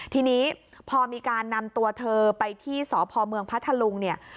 ทีนี้พอมีการนำตัวเธอไปที่สพเมืองพัทธลุงเนี่ย